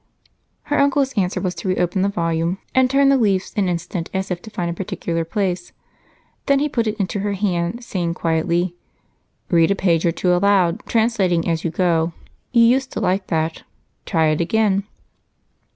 Her uncle's answer was to reopen the volume and turn the leaves an instant as if to find a particular place. Then he put it into her hand, saying quietly: "Read a page or two aloud, translating as you go. You used to like that try it again."